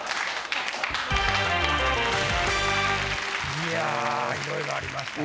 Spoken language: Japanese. いやいろいろありましたね。